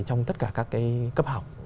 trong tất cả các cái cấp học